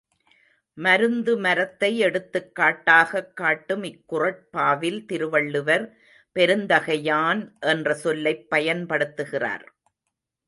மருந்து மரத்தை எடுத்துக்காட்டாகக் காட்டும் இக்குறட்பாவில் திருவள்ளுவர் பெருந்தகையான் என்ற சொல்லைப் பயன்படுத்துகிறார்.